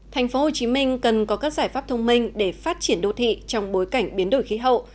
thành phố hồ chí minh cần có các giải pháp thông minh để phát triển đô thị trong bối cảnh biến đổi khí hậu